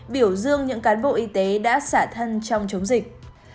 biểu dương những cán bộ y tế đã xả thân trong chống dịch